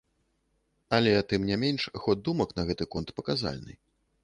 Але тым не менш, ход думак на гэты конт паказальны.